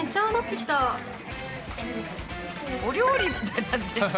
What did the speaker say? お料理みたいになってきた。